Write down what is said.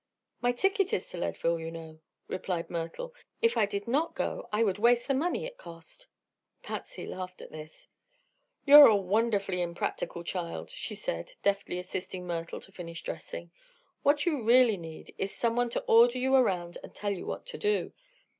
"My ticket is to Leadville, you know," replied Myrtle. "If I did not go I would waste the money it cost." Patsy laughed at this. "You're a wonderfully impractical child," she said, deftly assisting Myrtle to finish dressing. "What you really need is some one to order you around and tell you what to do.